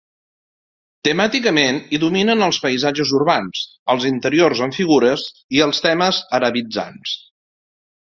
Temàticament hi dominen els paisatges urbans, els interiors amb figures i els temes arabitzants.